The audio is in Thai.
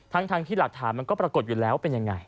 ทั้งที่หลักฐานมันก็ปรากฏอยู่แล้วเป็นยังไง